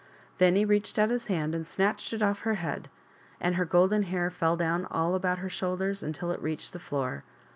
Then he reached out his hand and snatched it off of her head, and her golden hair fell down all about her shoulders until it reached the floor.